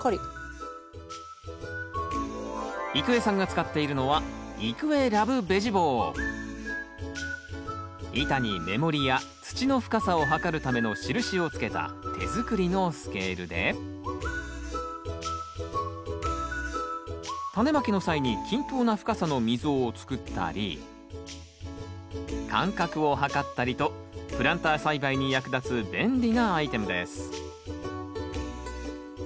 郁恵さんが使っているのは板に目盛りや土の深さを測るための印をつけた手作りのスケールでタネまきの際に均等な深さの溝を作ったり間隔を測ったりとプランター栽培に役立つ便利なアイテムです